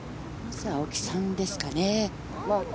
青木さんですかね。